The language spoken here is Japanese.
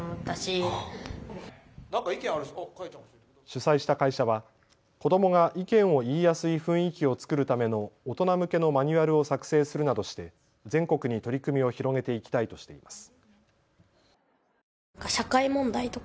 主催した会社は子どもが意見を言いやすい雰囲気を作るための大人向けのマニュアルを作成するなどして全国に取り組みを広げていきたいとしています。